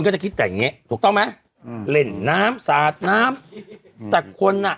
ก็จะคิดแต่อย่างเงี้ถูกต้องไหมอืมเล่นน้ำสาดน้ำแต่คนอ่ะ